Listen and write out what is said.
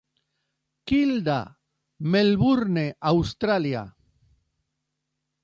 Kilda, Melbourne, Australia.